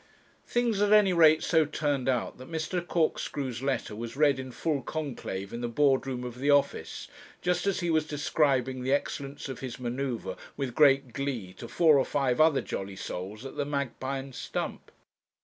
Things at any rate so turned out that Mr. Corkscrew's letter was read in full conclave in the board room of the office, just as he was describing the excellence of his manoeuvre with great glee to four or five other jolly souls at the 'Magpie and Stump.'